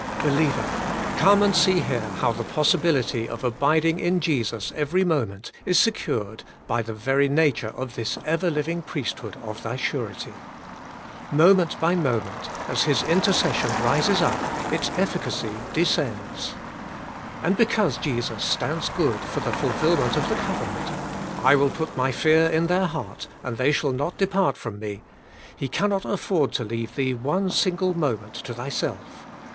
Believer ! come and see here how the possibility of abiding in Jesus every moment is secured by the very nature of this ever living priesthood of thy surety. Moment by moment, as His intercession rises up, its eflBcacy descends. And because Jesus stands good for the fulfilment of the covenant, — *I will put my fear in their heart, and they shall not depart from me,' — He cannot afEord to leave thee one single moment to thyself.